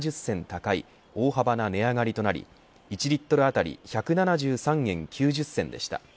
高い大幅な値上がりとなり１リットル当たり１７３円９０銭でした。